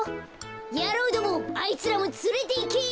やろうどもあいつらもつれていけ！